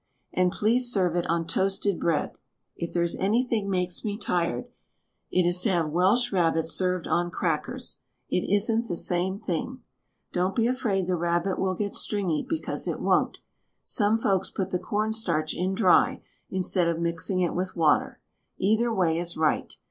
And please serve it on toasted bread. If there is anything makes me tired, it is to have Welsh Rabbit served on crackers — it isn't the same thing. Don't be afraid the rabbit will get stringy, because it won't. Some folks put the corn starch in dry, instead of mixing it with water. Either way is right.